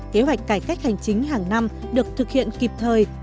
kế hoạch cải cách hành chính hàng năm được thực hiện kịp thời